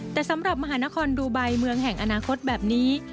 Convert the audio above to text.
แต่สำหรับมหานครดูไบเมืองแห่งอนาคตแบบนี้